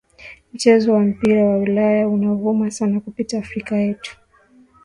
Mchezo wa mpira wa ulaya una vuma sana kupita africa yetu